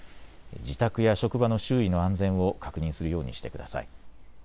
自宅や職場の周囲の安全を確認するようにしてください。